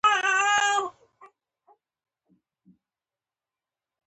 پاکستان زمونږ دوښمن دی